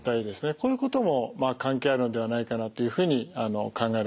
こういうことも関係あるのではないかなというふうに考えられます。